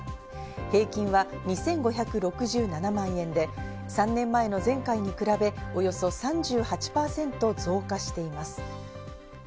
平均は２５６７万円で、３年前の前回に比べ、およそ３８％増加しています。